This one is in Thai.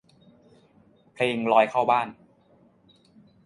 เพลงลอยเข้าบ้าน